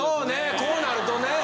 こうなるとね